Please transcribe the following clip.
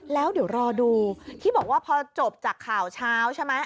แล้วเดี๋ยวรอดูที่บอกว่าพอจบจากข่าวเช้าใช่ไหม